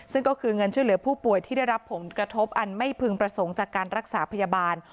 ซึ่งก็คือเงินช่วยเหลือผู้ป่วยที่ได้รับผลกระทบอันไม่พึงประสงค์จากการรักษาพยาบาล